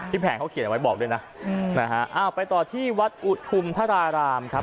ที่แผงเขาเขียนไว้บอกด้วยนะไปต่อที่วัดอุธุมภรารามครับ